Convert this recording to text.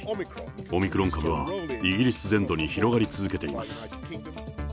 オミクロン株はイギリス全土に広がり続けています。